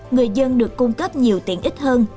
người dân được cung cấp nhiều tiện ít hơn